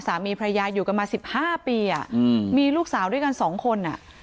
สามีพระยาอยู่กันมาสิบห้าปีอ่ะอืมมีลูกสาวด้วยกันสองคนอ่ะ